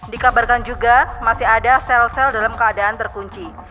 dikabarkan juga masih ada sel sel dalam keadaan terkunci